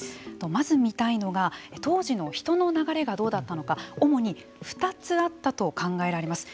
まず見たいのが当時の人の流れがどうだったのか主に２つあったと考えられます。